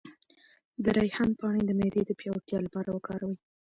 د ریحان پاڼې د معدې د پیاوړتیا لپاره وکاروئ